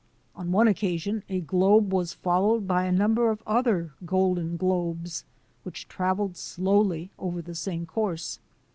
On one occasion a globe was followed by a number of other golden globes which travelled slowly over the same course.